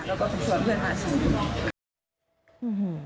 เราก็ชวนเพื่อนมาส่ง